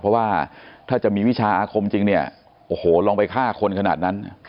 เพราะว่าถ้าจะมีวิชาอาคมจริงเนี่ยโอ้โหลองไปฆ่าคนขนาดนั้น